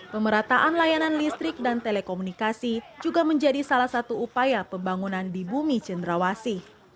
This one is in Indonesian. pemerataan layanan listrik dan telekomunikasi juga menjadi salah satu upaya pembangunan di bumi cenderawasi